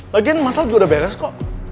lagian masalah juga udah beres kok